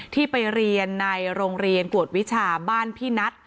ที่ไปเรียนในโรงเรียนกวดวิชาบ้านพี่นัท